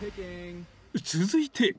［続いて］